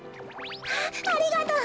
あっありがとう！